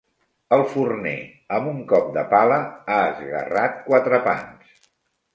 El forner, amb un cop de pala, ha esguerrat quatre pans.